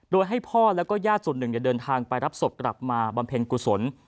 โดยให้พ่อและญาติหนึ่งจะรับสบกลับมาบำเพ็ญกุศล